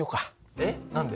えっ何で？